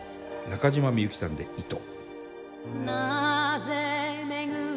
中島みゆきさんで「糸」。